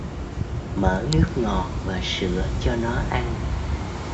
Mở nước ngọt và sữa cho nó ăn